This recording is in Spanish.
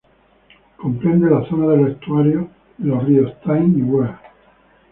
Comprende la zona de los estuarios de los ríos Tyne y Wear.